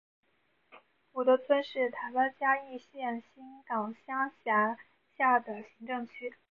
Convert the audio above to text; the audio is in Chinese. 福德村是台湾嘉义县新港乡辖下的行政区。